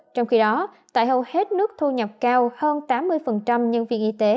trong khi đó tại hầu hết nước thu nhập cao hơn tám mươi